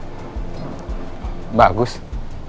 itu berarti bisa meringankan anda